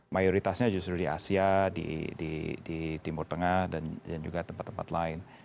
mayoritasnya justru di asia di timur tengah dan juga tempat tempat lain